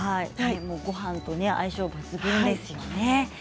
ごはんと相性が抜群ですね。